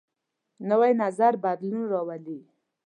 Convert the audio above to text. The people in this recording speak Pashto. نوی نظر بدلون راولي